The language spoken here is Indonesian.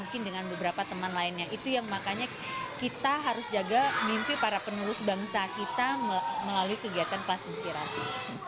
kita harus jaga mimpi para penulus bangsa kita melalui kegiatan kelas inspirasi